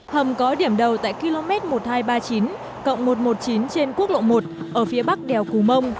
hầm có điểm đầu tại km một nghìn hai trăm ba mươi chín một trăm một mươi chín trên quốc lộ một ở phía bắc đèo cù mông